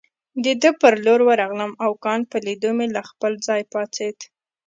د ده پر لور ورغلم او کانت په لیدو مې له خپل ځای پاڅېد.